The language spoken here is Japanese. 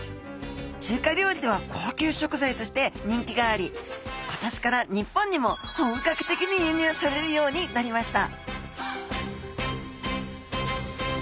中華料理では高級食材として人気があり今年から日本にも本格的に輸入されるようになりました・